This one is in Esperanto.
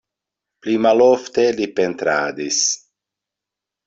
Pli malofte li pentradis.